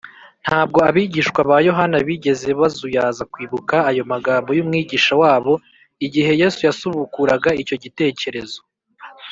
” ntabwo abigishwa ba yohana bigeze bazuyaza kwibuka ayo magambo y’umwigisha wabo igihe yesu yasubukuraga icyo cyitegererezo